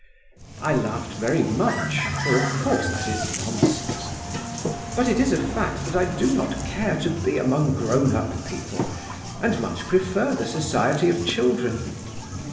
I laughed very much, for of course that is nonsense. But it is a fact that I do not care to be among grown up people and much prefer the society of children.